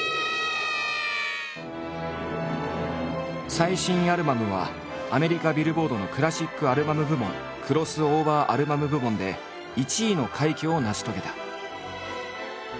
最新アルバムはアメリカビルボードのクラシックアルバム部門クロスオーバーアルバム部門で１位の快挙を成し遂げた。